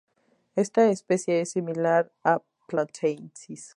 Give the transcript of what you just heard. Esta especie es similar a "A. platensis".